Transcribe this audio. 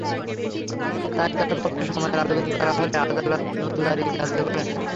তাই তাঁর পক্ষে সময়ের আবেদন করা হলে আদালত নতুন তারিখ ধার্য করেন।